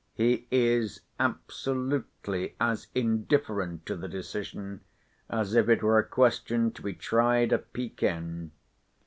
He is absolutely as indifferent to the decision, as if it were a question to be tried at Pekin.